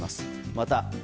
また、